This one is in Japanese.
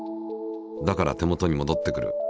だから手もとに戻ってくる。